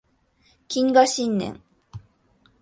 謹賀新年